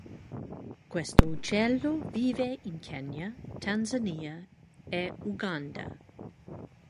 Questo uccello vive in Kenya, Tanzania e Uganda.